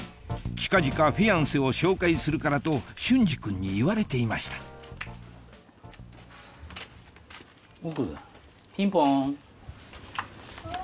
近々フィアンセを紹介するからと隼司君に言われていました奥だ。